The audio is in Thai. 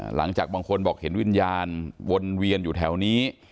หลังจากบางคนบอกเห็นวิญญาณวนเวียนอยู่แถวนี้